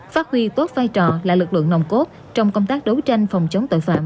phát huy tốt vai trò là lực lượng nồng cốt trong công tác đấu tranh phòng chống tội phạm